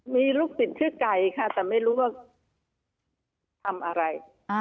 มีลูกศิษย์ชื่อไก่ค่ะแต่ไม่รู้ว่าทำอะไร